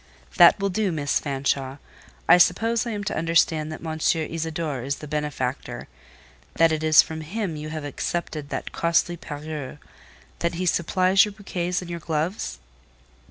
"That will do, Miss Fanshawe. I suppose I am to understand that M. Isidore is the benefactor: that it is from him you have accepted that costly parure; that he supplies your bouquets and your gloves?"